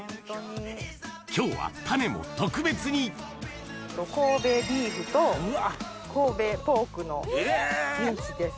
今日はタネも特別に神戸ビーフと神戸ポークのミンチです。